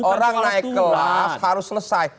orang naik kelas harus selesai